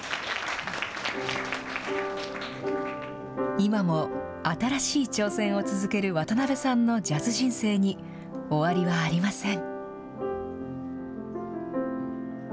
今も新しい挑戦を続ける渡辺さんのジャズ人生に終わりはありません。